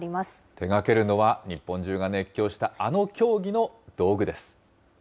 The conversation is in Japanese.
手がけるのは、日本中が熱狂した、あの競技の道具です。